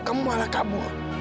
kamu malah kabur